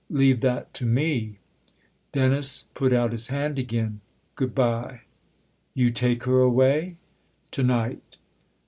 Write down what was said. Leave that to me!" Dennis put out his hand again. " Good bye." " You take her away ?"" To night."